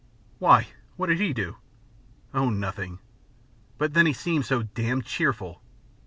"Why? What did he do?" "Oh, nothing, but then he seemed so damned cheerful."